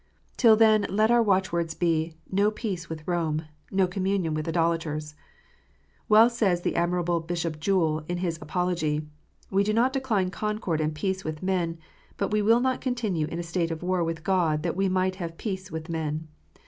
Till then let our watchwords be, " No peace with Rome ! No communion with idolaters !" Well says the admirable Bishop Jewel, in his Apology, " We do not decline concord and peace with men ; but we will not continue in a state of war with God that we might have peace with men